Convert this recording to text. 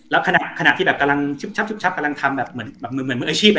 แล้วขณะที่เขากำลังทำผลวิจิตเหมือนไปอาทิตย์แบบเหมือนเพลิงอาชีพ